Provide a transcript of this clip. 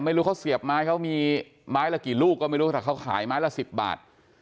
ไม่รู้เขาเสียบไม้เขามีไม้ละกี่ลูกก็ไม่รู้แต่เขาขายไม้ละ๑๐บาท